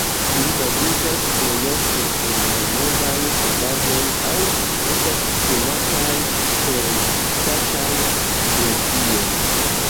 Ili baziĝas plejofte sur malnovaj fondaĵoj aŭ estas subtenataj per ŝtataj subvencioj.